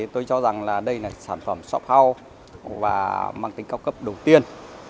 tôi cho rằng là đây là sản phẩm shop house và mang tính cao cấp đầu tiên